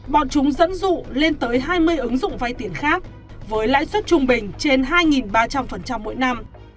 bọn chúng dẫn dụ lên tới hai mươi ứng dụng vay tiền khác với lãi suất trung bình trên hai ba trăm linh mỗi năm